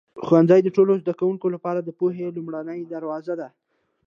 ښوونځی د ټولو زده کوونکو لپاره د پوهې لومړنی دروازه دی.